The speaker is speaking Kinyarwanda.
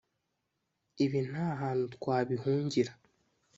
ibibi nta hantu twabihungira.